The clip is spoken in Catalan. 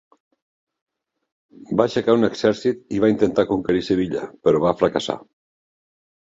Va aixecar un exèrcit i va intentar conquerir Sevilla, però va fracassar.